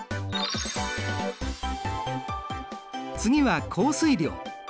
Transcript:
次は降水量。